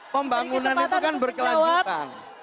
pembangunan itu kan berkelanjutan